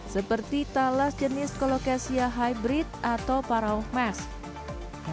seperti talas jenis kolokesia hybrid atau paraung mask